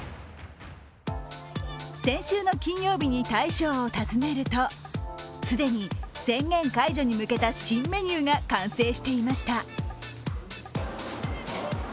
先週の金曜日に大将を訪ねると、既に、宣言解除に向けた新メニューが完成していました。